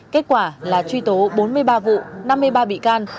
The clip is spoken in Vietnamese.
kết quả là truy tố bốn mươi ba vụ năm mươi ba bị can